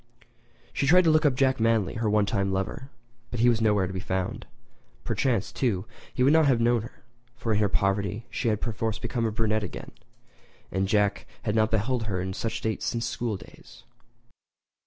She tried to look up Jack Manly, her one time lover, but he was nowhere to be found. Perchance, too, he would not have known her; for in her poverty she had perforce become a brunette again, and Jack had not beheld her in that state since school days.